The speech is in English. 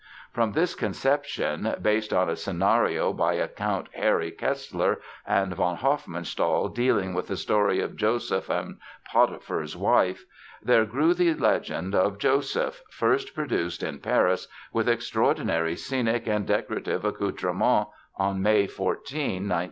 From this conception, based on a scenario by a Count Harry Kessler and von Hofmannsthal dealing with the story of Joseph and Potiphar's Wife, there grew the Legend of Joseph, first produced in Paris with extraordinary scenic and decorative accouterments on May 14, 1914.